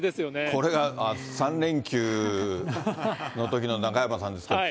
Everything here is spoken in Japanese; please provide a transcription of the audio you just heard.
これが３連休のときの中山さんですけど。